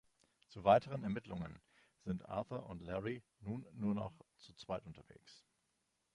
Zu weiteren Ermittlungen sind Arthur und Larry nun nur noch zu zweit unterwegs.